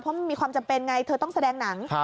เพราะมันมีความจำเป็นไงเธอต้องแสดงหนัง